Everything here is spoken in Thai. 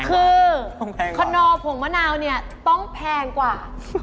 คือคนนอผงมะนาวเนี่ยต้องแพงกว่า